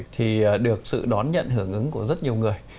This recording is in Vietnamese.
thì được sự đón nhận hưởng ứng của rất nhiều người